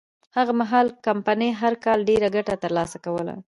هغه مهال کمپنۍ هر کال ډېره ګټه ترلاسه کوله.